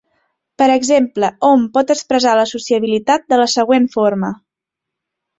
Per exemple, hom pot expressar l'associativitat de la següent forma.